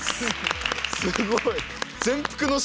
すごい。